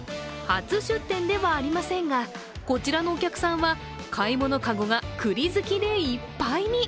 初出店ではありませんが、こちらのお客さんは買い物籠が栗好きでいっぱいに。